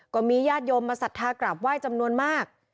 ก็มีญาติโยมมาศรัทธากราบไหว้จำนวนมาก